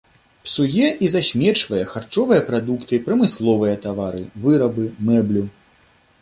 Псуе і засмечвае харчовыя прадукты, прамысловыя тавары, вырабы, мэблю.